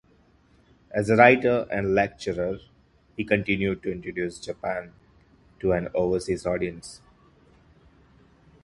As a writer and lecturer he continued to introduce Japan to an overseas audience.